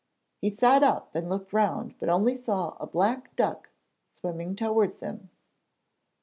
He sat up and looked round, but only saw a black duck swimming towards him.